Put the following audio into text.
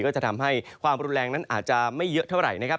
ก็จะทำให้ความรุนแรงนั้นอาจจะไม่เยอะเท่าไหร่นะครับ